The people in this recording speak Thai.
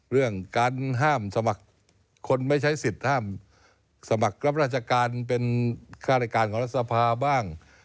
เรื่องการห้ามสมัครคนไม่ใช้สิทธิ์ห้ามสมัครรับราชการเป็นค่ารายการของรัฐสภาบ้าง